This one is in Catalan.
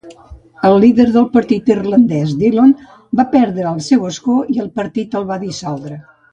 El líder del partit irlandès, Dillon, va perdre el seu escó i el partit es va dissoldre.